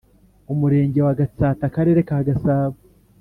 Umurenge wa Gatsata Akarere ka Gasabo